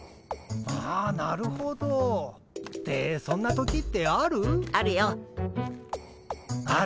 あなるほど。ってそんな時ってある？